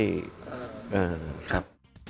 เออครับ